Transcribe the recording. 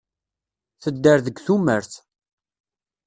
Tedder deg tumert.